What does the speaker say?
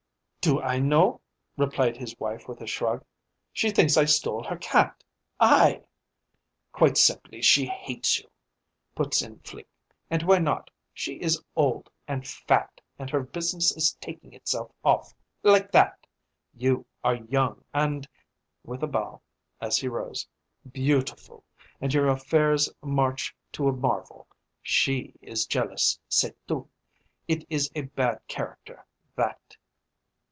"Do I know?" replied his wife with a shrug. "She thinks I stole her cat I!" "Quite simply, she hates you," put in Flique. "And why not? She is old, and fat, and her business is taking itself off, like that! You are young and" with a bow, as he rose "beautiful, and your affairs march to a marvel. She is jealous, c'est tout! It is a bad character, that."